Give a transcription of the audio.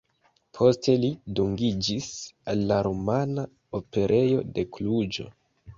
Poste li dungiĝis al la Rumana Operejo de Kluĵo.